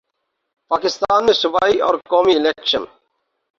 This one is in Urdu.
پاکستان میں صوبائی اور قومی الیکشن